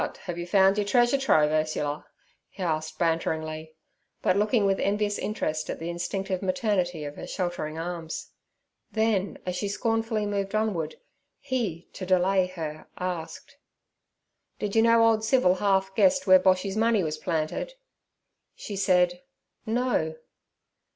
Have you found your treasure trove, Ursula?' he asked banteringly, but looking with envious interest at the instinctive maternity of her sheltering arms. Then, as she scornfully moved onward, he, to delay her, asked: 'Did you know old Civil half guessed where Boshy's money was planted?' She said 'No.'